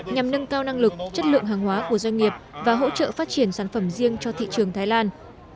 nhằm nâng cao năng lực chất lượng hàng hóa của doanh nghiệp và hỗ trợ phát triển sản phẩm riêng cho thị trường thái lan